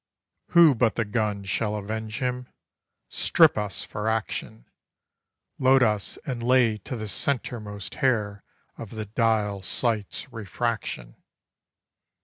Who but the guns shall avenge him? Strip us for action! Load us and lay to the centremost hair of the dial sight's refraction.